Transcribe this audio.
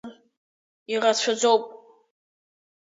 Ирацәаӡоуп.